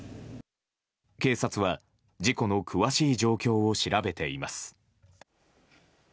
警察は事故の詳しい状況を調べています。